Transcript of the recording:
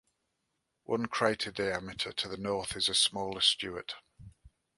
One crater diameter to the north is the smaller Stewart.